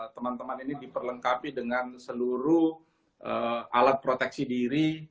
teman teman ini diperlengkapi dengan seluruh alat proteksi diri